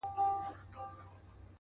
هر انسان ځانګړې وړتیا لري؛